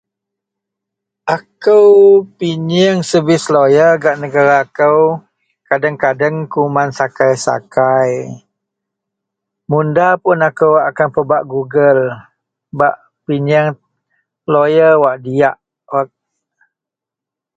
Akou pinyieng servis loyar gak negara kou, kadeng - kadeng kuman sakai - sakai, mun nda puun akou akan pebak Google bak pinyieng loyer wak diyak